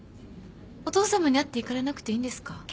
お父さまに会っていかれなくていいんですか？